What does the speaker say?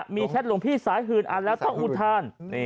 มีแชทหลวงพี่สายหื่นอ่านแล้วต้องอุทาน